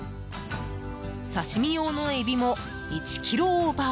刺し身用のエビも１ｋｇオーバー。